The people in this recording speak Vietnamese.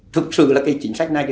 thực sự là chính sách này